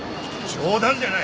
冗談じゃない。